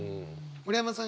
村山さん